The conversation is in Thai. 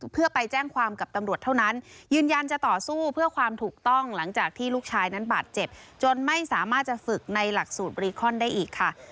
เพื่อไปแจ้งความกับตำรวจเท่านั้นยืนยันจะต่อสู้เพื่อความถูกต้องหลังจากที่ลูกชายนั้นบาดเจ็บจนไม่สามารถจะฝึกในหลักสูตรบรีคอนได้อีกค่ะ